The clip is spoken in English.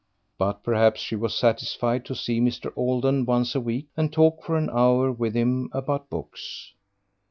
But perhaps she was satisfied to see Mr. Alden once a week and talk for an hour with him about books.